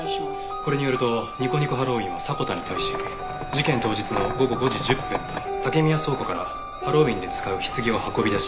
これによるとにこにこハロウィーンは迫田に対し事件当日の午後５時１０分に竹宮倉庫からハロウィーンで使う棺を運び出し